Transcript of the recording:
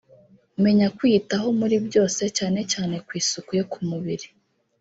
Menya kwiyitaho muri byose cyane cyane ku isuku yo ku mubiri